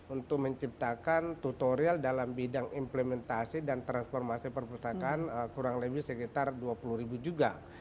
untuk menciptakan tutorial dalam bidang implementasi dan transformasi perpustakaan kurang lebih sekitar dua puluh ribu juga